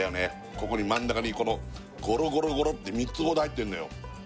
ここに真ん中にこのゴロゴロゴロって３つほど入ってんのよ